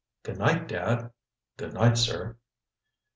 "Good night, Dad." "Good night, sir."